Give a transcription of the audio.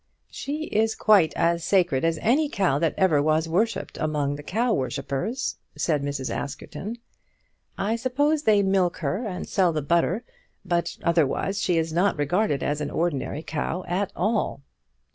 "She is quite as sacred as any cow that ever was worshipped among the cow worshippers," said Mrs. Askerton. "I suppose they milk her and sell the butter, but otherwise she is not regarded as an ordinary cow at all."